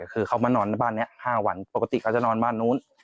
คือเขามานอนบ้านนี้๕วันปกติเขาจะนอนบ้านนู้น